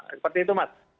seperti itu mas